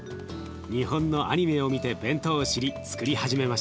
日本のアニメを見て弁当を知りつくり始めました。